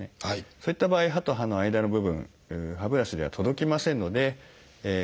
そういった場合歯と歯の間の部分歯ブラシでは届きませんのでこういったデンタルフロス